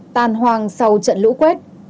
tàn hoang sau trận lũ quét